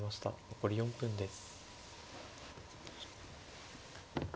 残り４分です。